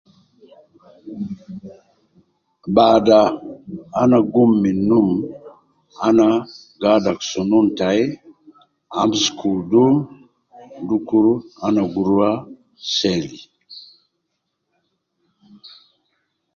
Bada ana gum min num, ana gi adaku sunun tai, ana gi amsuku wudhu dukur ana gurua seli